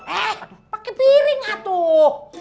eh pakai piring tuh